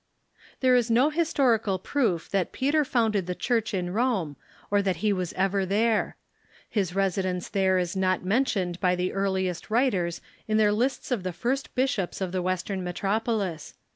There is no historical proof that Peter founded the Church in Rome, or that he was ever there. His residence there is not mentioned by the earliest writers in their lists Peter in Rome .,„,• i ^ i iti t or the hrst bishops or the \V estern metropolis.